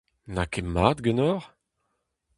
N'a ket mat ganeoc'h !